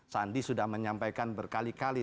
sandi sudah menyampaikan berkali kali